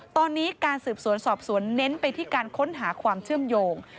ตอนนี้การสืบสวนสอบสวนเน้นไปที่การค้นหาความเชื่อมโยง